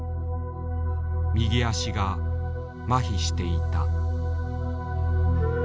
右足がまひしていた。